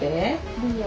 いいよ。